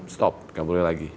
stop tidak boleh lagi